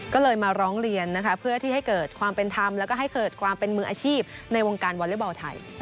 ก็เลยมาร้องเรียนนะคะเพื่อที่ให้เกิดความเป็นธรรมแล้วก็ให้เกิดความเป็นมืออาชีพในวงการวอเล็กบอลไทย